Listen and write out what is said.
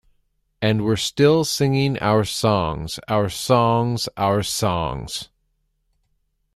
And we're still singing our songs, our songs, our songs!